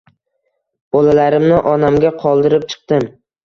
Bolalarimni onamga qoldirib chiqdim